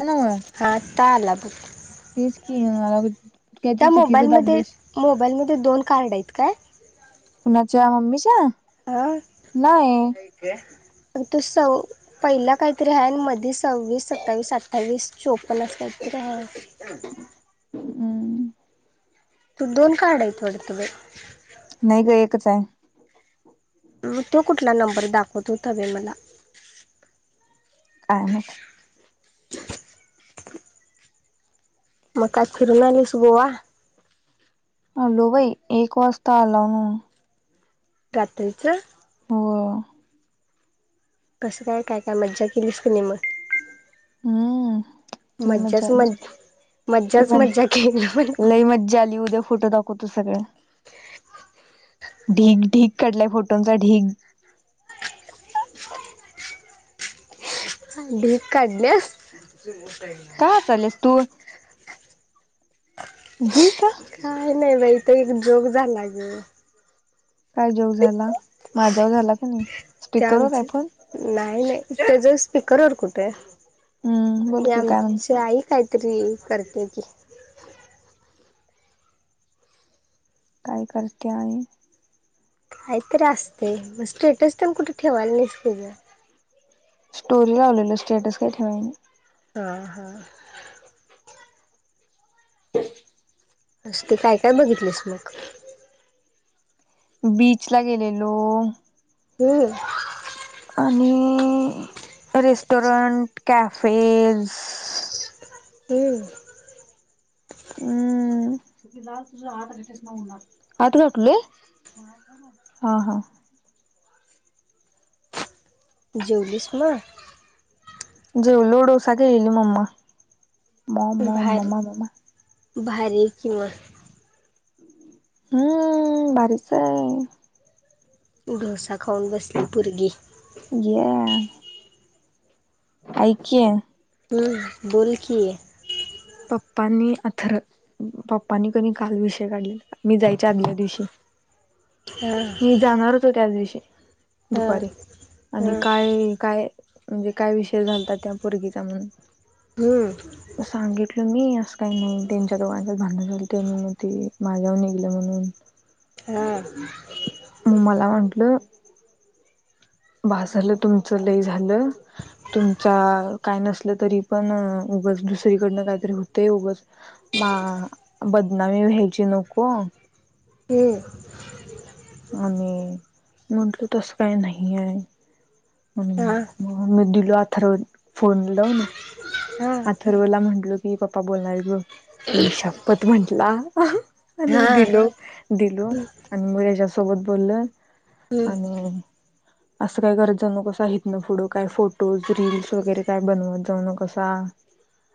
हो ना तालात [unintelligible] त्या चुकीचं मोबाईलमध्ये दाबलीस. मोबाईलमध्ये दोन कार्ड आहेत काय कुणाच्या मम्मीच्या हा नाही आई गं तू सव पहिला काहीतरी आहे मध्ये सव्वीस सत्तावीस अठ्ठावीस चोपन्न असं काहीतरी काहा [unintelligible] हम्म तू दोन कार्ड आहेत वाटतं बाई नाही ग एकच आहे म तो कुठला नंबर दाखवत होता बाई मला काय माहित. मग काय फिरून आलीस गोवा आलो बाई एक वाजता आलाव रात्रीच हो कसं काय काय काय मज्जा केलीस की न मग हम्म लय मज्जाच मज्जा आली मज मज्जाच म मज्जा केली पण लई मज्जा आली उद्या फोटो दाखवतो सगळं ढीग ढीग काढलाय फोटोचां ढीग [inaudible] ढीग काढल्यास का हासाल्यास तू गैसा काय नाही बाई इथ एक जोक झाला गं काय जोक झाला माझ्यावर झाला का नाही स्पीकरवर आहे फोन त्याच स्पीकरवर कुठे हम्म बोल की काय आमच्या आई कायतरी करते की काय करते आहे काहीतरी असतय मग स्टेटस तेन कुठे ठेवायला नाहीस की ग स्टोरी लावलेली स्टेटस काय ठेवायला नाही हा हा [inaudible] अ ते काय काय बघितलेस मग. बीच ला गेलेलो. हम्म. आणि. Restaurant, cafes. हम्म. हम् आत घातलोय. हा, हा, जेवलीस म जेवलो डोसा केलेली मम्मा मॉम मॉम भार मम्मा भारी की म हम्म भारीच आहे. डोसा खाऊन बसली पोरगी. ये ऐक की हम बोल की पप्पांनी अथर पप्पानी कणी काल विषय काढलेला मी जायचे आदल्या दिवशी ह [inaudible] मी जाणार होतो त्याच दिवशी. ह दुपारी आणि काय काय म्हणजे काय विषय झालता त्या पोरगीचा म्हणून. हम्म तो सांगिल. तुम्ही असं काही नाही त्यांच्या दोघांच्यात भांडण झालं कि मग ते माझ्यावर निघलं म्हणून. हो. मला वाटलं. बास झालं तुमच लय झालं तुमचा काय नसल तरी पण. उगचं दुसरीकडनं काहीतरी हुतंय उगच मा बदनामी व्हायची नको. हम्म आणि म्हटलं तस काय नाही आहे. आणि हा मग मी दिलो अथर्व फोन लावून. म हा अथर्वला म्हंटलो की पप्पा बोलणारयत बोल आई शपत म्हंटला हा आणि हा दिलो दिलो आणि म ह्यच्याच सोबत बोललं हम्म आणि असं काय करत जाऊ नकोसा इथनपुढं काय फोटोज रील्स वगैरे काय बनवंत जाऊ नकोसा. [unintelligible]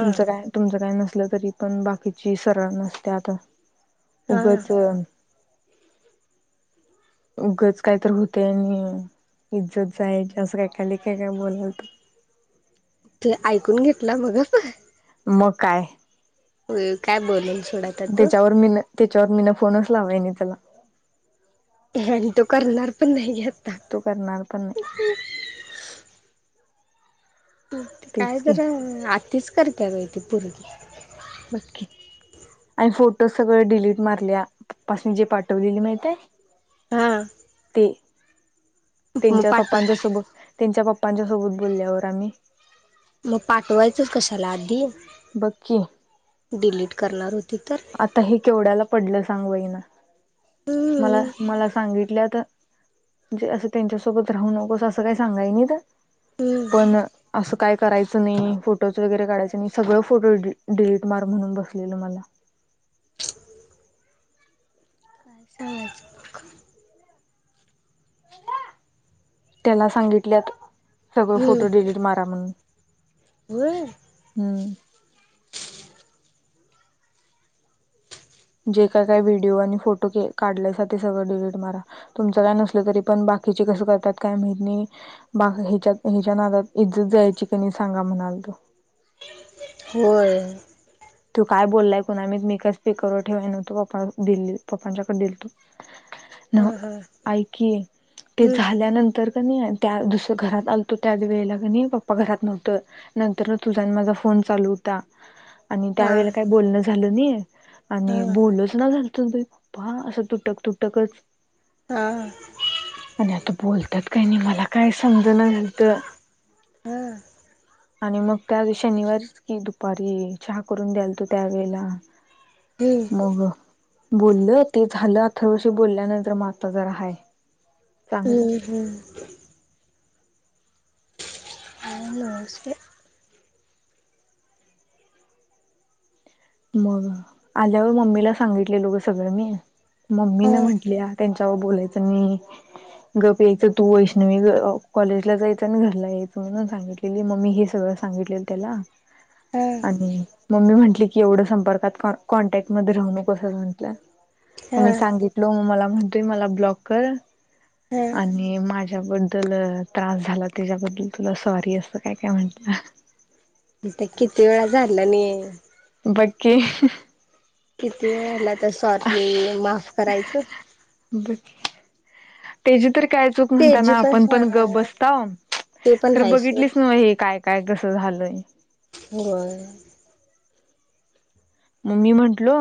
तुमचं काय, तुमचं काय नसल, तरी पण बाकीची सरळ नसत्यात, हा उगच उगच काही तर होतय आणि इज्जत जायची असं काय काय लय काय काय बोलालता. ते ऐकून घेतला मग. मगं काय. अ काय बोललं. त्याच्यावर मीन त्याच्यावर मीन फोनच लावाय नाही त्याला आणि तो करणार पण नाही घे आ तो करणार पण नाही. शेवटी काय तेच की जरा अं आतीच करत्या ग बाई ती पोरगी बगकी आणि फोटो सगळ डिलीट मारल्या पप्पासनी जे पाठवलेली माहिती आहे. हा. मग तेंच्या पाठव पप्पांच्या सुब तेंच्या पप्पा पप्पांच्यासोबत बोलल्यावर आम्ही मग पाठवायचंच कशाला आद्दी बघ की करणार होत आता हे केवड्याला पडलं सांग बाईंना मला हम्म मला सांगितल्यात म्हणजे अस त्यांच्यासोबत राहू नको अस काही सांगाय नाहीत हम्म पण अस काय करायचं नाही फोटोज वगैरे काढायच नाही सगळं फोटो डि डिलीट मार म्हणून बसलेलं मला [unintelligible] काय सांगायचं घरी मयऱ्या त्याला सांगितल्यात सगळं हम्म फोटो डिलीट मारा म्हणून होय? हम्म जे काय काय व्हिडिओ आणि फोटो के काढलायसा ते सगळं डिलीट मारा तुमचं काय नसलं तरी पण बा बाकीची कस करत्यात काय माहित नाही बा हिच्या हिच्या नादात इज्जत जायची कि नाही सांगा म्हणाला अग होय तो काय बोललाय कुणाला माहित मी काय स्पीकर वर ठेवाय नवतो पप्पा दिले पप्पांच्याकडे दिलतो न्हवं हा हा ऐक कि ते हम्म झाल्यानंतर कणी त्या दुस घरात आलतो त्याचं वेळेला कणी पप्पा घरात नव्हतं नंतरच तुझा आणि माझा फोन चालू होता आणि त्या हा वेळेला काही बोलणं झालं नाही हा आणि बोलचणा झाल दोन दिवस पप्पा असं तुटक तुटकच हा आणि आता बोलतात काही नाही मला काय समजणा झालं. हम आणि मग त्या शनिवारीच की दुपारी चहा करून द्यायल तो त्यावेेळेला हम्म मग बोललं ते झालं थोरशी बोलल्यानंतर म आता जरा हाय चांगलं. हम हम् आहे ना व्यवस्थित? मग आल्यावर मम्मीला सांगितलेलोग सगळं मी मम्मी हा न म्हटलीया त्यांच्या तवा बोलायचं मी गप् यायचं तू वैष्णवी कॉलेजला जायचं आणि घरला यायचं म्हणून सांगितलेली मम्मी हे सगळं सांगितलेलं त्याला हा आणि मम्मी म्हटली एवढं संर्पकात त कॉन्टॅक्ट मधे राहू नको कस म्हटलं म हा मी सांगितलो म मला म्ह तु मला ब्लाॅक कर हा आणि माझी बद्दल त्रास झाला त्याजाबद्द्ल तुला सॉरी अस काय काय म्हटंला त किती वेळा झालानी बाकी किती वेळाला तर सॉरी, माफ करायचं त्याजी तरी काय चूक ते जी म्हणताना पण आपण हा गप बसताव ते पण खंर आहे सोड बघितलीस न हे? काय काय कसं झालंय बरं म मी म्हंटलो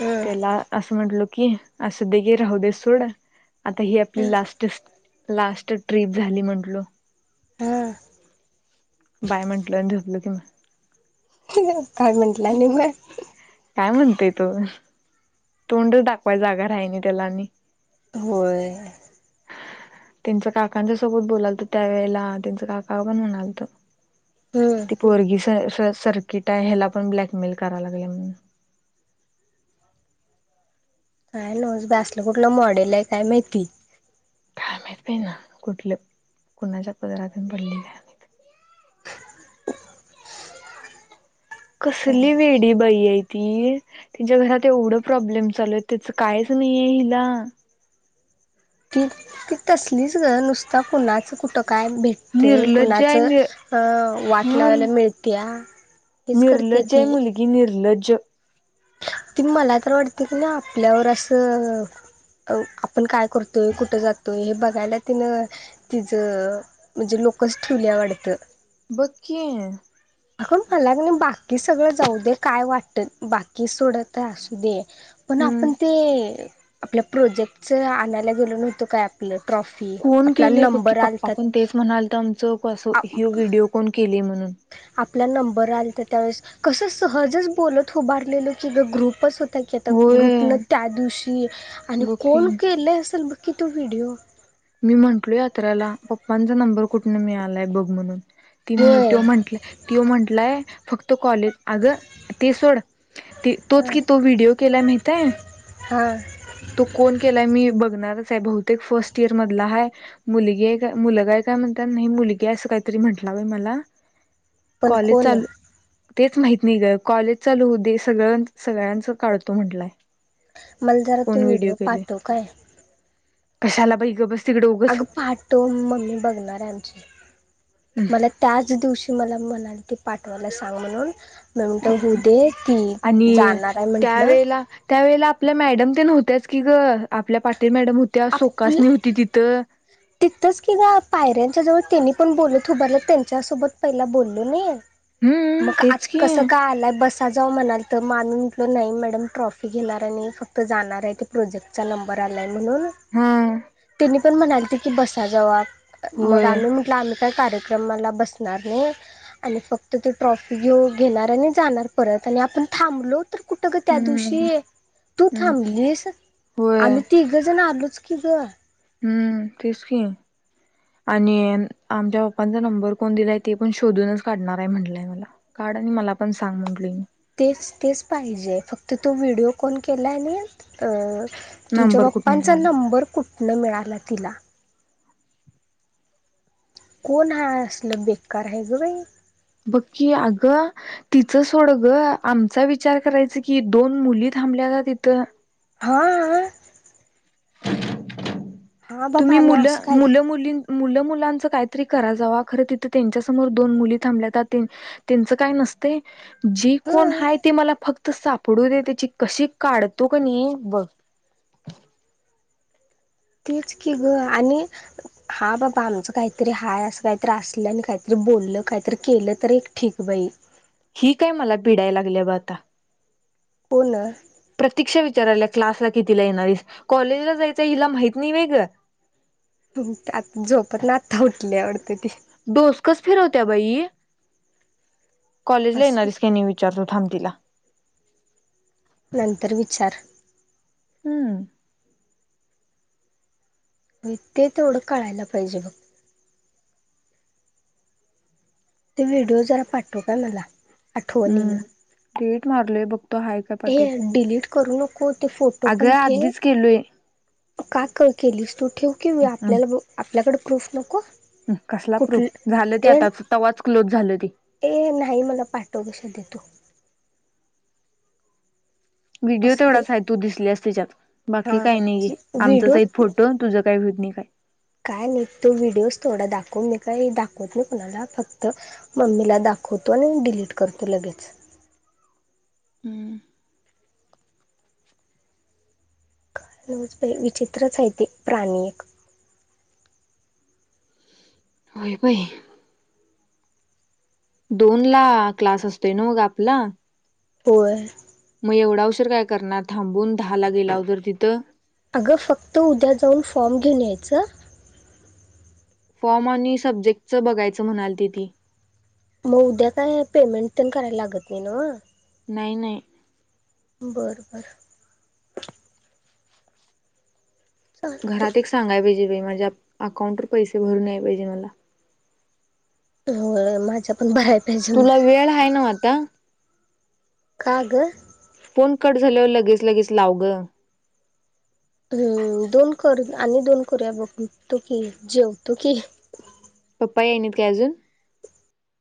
हम्म त्याला असं म्हटलो की असं देगे राहू दे सोड आता ही आपली लास्ट लास्ट ट्रीप झाली म्हटलो हा बाय म्हंटलं झपलो कि म काय म्हटला निमग काय म्हणतेय तो तोंड दाखवाय जागा राहीली ना त्याला आणि होय. त्यांचं काकांच्या सोबत बोलालत त्यावेेळेला त्यांचं काका पण म्हणालत. हम्म त पोरर्गीस सर्कीटाय ह्याला पण ब्लॅकमेल करायला लागले म्हण काय न असलं कुठलं मॉडेल आहे काय माहिती काय माहीत ना कुठल्या कुणाच्या पदरातून पडलेला काय कसली वेडी बाई आहे. ती तिच्या घरात एवढ प्रॉब्लेम चालू त्याच कायच नाहीेय हिला! त ती तसलीच ग नुसतं कणाच कुटं काय भेटतेंय निर्लज्ज आहे नि कुणाचं वाटलावायला मिळते्या निर्लज्जय मुलगी निर्लज्जं ती मला तर वाटते की ना आपल्यावर असं आपण काय करतोय, कुठ जातोय हे बघायला तिनं तिज फोकस ठीवलीया वाटत बघ की! अगं मला नाही बाकी सगळं जाऊ दे काय वाटतं बाकी सोडत असू दे पण आपण ते आपल्या प्रोजेक्टचं आणायला गेलो नव्हतो काय आपली ट्रॉफी कोण आपला केलेय बघ की नंबर पप्पा आलतात. पण तेच म्हणाल तर आमचं असं आप ह व्हिडिओ कोण केले म्हणून आपला नंबर आलता त्यावेळेस कस सहजच बोलत उभारलेलो की ग्रुपच हो [unintelligible] की आता ग्रुपन होय त्या दिवशी आणि बघ की कोण केले असेल, की तू व्हिडिओ मी म्हंटलो यात्र्याला पप्पांचा नंबर कुठून मिळालाय बघ म्हणून. होय तो म्हटला तो म्हटलंय फक्त कॉलेज अगं ते सोड ते तोच कि तो व्हिडिओ केला माहित आहे. हा तो कोण केलाय मी बघणारच. बहुतेक फर्स्ट इयर मधला हा मुलगी आहे का मुलगा आहे काय म्हणतात नाही मुलगी आहे असं काहीतरी म्हटलं नवे मला. पण कॉलेज कोण, चालू तेच माहत नाही का कॉलेज चालू दे सगळ सगळ्यांच काढतो म्हंटलंय, मलधरा तो व्हिडिओ पाठव काय, कशाला बाई गप बस तिकडे उगच अगं पाठव मम्मी बघणार आहे आमची मला त्याच दिवशी मला म्हणाल ते पाठवायला सांग म्हणून मी म्हणतो होऊ दे ती आणि जाणार आहे म्हंटलं त्यावेला त्यावेळेला आपल्या मॅडम ते नव्हत्याच, की ग! आपल्या पा आप तिथच की ग पायऱ्यांच्या जवळ त्यांनी, पण बोलू उबारला त्यांच्यासोबत पहिला बोललो नाही. हम्म मग तेच आता की कस काय आलाय बस त्याजव म्हणाल तर मान म्हटलं नाही मॅडम ट्रॉफी घेणार आहे नाही फक्त जाणार आहे ते प्रोजेक्टचा नंबर आलाय म्हणून हं आणि पण म्हणाली ती की बसा जवप मग होय आम्ही म्हटलं आम्ही कार्यक्रमाला बसणार नाही आणि फक्त ते ट्रॉफी घेऊ घेणार आणि जाणार परत. आपण थांबलो! तर कुठ ग त्या हम्म दिवशी तू हम्म थांबलीस होय आम्ही तीघ जण आलो, आलोच की ग! हम्म! तेच की, आणि आमच्या बाप्पांचा नंबर कोण दिलाय ते पण शोधूनच काढणार आहे म्हटलय मला. आणि मला पण सांग म्हटली, तेच तेच पाहिजे फक्त तो व्हिडिओ कॉल केलानी अ तुमच्या नंबर कुठून पप्पांचा मिळाला नंबर कुठनं मिळाला तिला. कोण हा असलं बेकार हाय ग बाई. बघ की, आग तिचं सोड ग आमचा विचार करायच की, दोन मुली थांबल्या ना तिथं. हाआ. तुम्ही आणि मुल असं काय मुल मुली मुलं मुलांच काहीतरी करा जावा, खर तिथं त्यांच्या समोर दोन मुली थांबल्या का तीन त्यांच काही नस ते जे ह कोण हाय ते मला फक्त त सापडू दे त्याची कशी काढतो कनी बघ. तेच की ग आणि हा बाबा आमचं काहीतरी हाय असं काहीतरी असलं आणि काहीतरी बोललं काहीतरी केलं तर एक ठीक बाई, ही काय मला पीडाय लागल्या बा आता. कोन. प्रतीक्षा विचारायल्या क्लासला कितीला येणारेस कॉलेजला जायचं हिला माहित नाही व्हय ग. आत झोपत ना आता उठली वाटत ती. फिरव त्या बाई. कॉलेजला येणारी असं आहेस की नाही विचारतो थांब तिला. नंतर विचार. हम्म. ते तेवढं कळायला पाहिजे बघ. ते व्हिडिओ जरा पाठव काय मला. आठवणीनं हम्म डिलेट मारलय बघ. हे डिलीट करू नको ते फोटो पण अगं ठेव आधीच केलोय का कळ केलीस तू ठेव कि आपल्याला आपल्याकडे प्रूफ नको. कसला कुठ प्रुफ झालं ते ए आता तवाच क्लोज झालं ते. ए नाही मला पाठव ग श्रदे तु. व्हिडिओ असते तेवढाच हाय तू दिसलीयेस त्याच्यात बाकी हा काही नाहीे. आमचाच व्हिडिओ हाईत फोटो तुझं काही व्हू नाही. [unintelligible] काय नाही तो व्हिडिओस थोडा दाखवून म काही दाखवत नाही कुणाला फक्त मम्मीला दाखवतो आणि डिलीट करतो लगेच. [inaudible] हम्म. न्यूजपे विचित्र हाय ते प्राणी एक. होय बाई. दोन ला क्लास असतोय ना नव्ह ग आपला. होय. मग एवढा उशिर काय करणार थांबून. दहा ला गेलाव तर तिथं. अगं फक्त उद्या जाऊन फॉर्म घेऊन यायचं. फॉर्म आणि सब्जेक्टच बघायचं म्हणाती ती. मग उद्या काय पेमेंट तेन करायला लागत नाही नव्ह. नाही नाही. बरं बरं. चालते घरात एक सांगाय पाहिजे माझ्या अकाउंट वर पैसे भरून यायला पाहिजे मला. होय माझ्या पण भराय. पाहिजे तुला मग वेळ हाय नव्ह आता. का ग. फोन कट झाल्यावर लगेच लगेच लाव ग. हम्म, दोन कर आणि दोन करुया बग तो की जेवतो की. पप्पा यायनीत काय अजून?